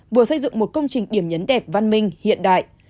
vừa xây dựng một công trình điểm nhấn đẹp văn minh hiện đại